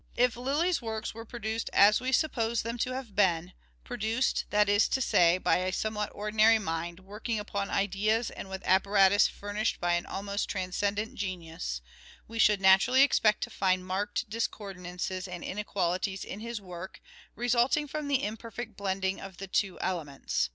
If Lyly's works were produced as we suppose them Lyrics in to have been'; produced, that is to say, by a some Ly*y splays, what ordinary mind working upon ideas and with apparatus furnished by an almost transcendent genius, we should naturally expect to find marked discordances and inequalities in his work, resulting from the imperfect blending of the two elements.